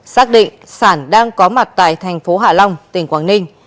xác định sản đang có mặt tại thành phố hạ long tỉnh quảng ninh